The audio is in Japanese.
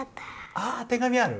あ手紙ある？